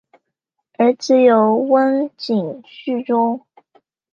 儿子有温井续宗。